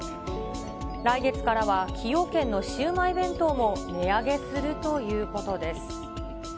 来月からは崎陽軒のシウマイ弁当も値上げするということです。